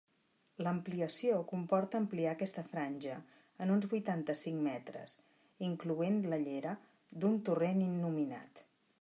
L'ampliació comporta ampliar aquesta franja en uns vuitanta-cinc metres incloent la llera d'un torrent innominat.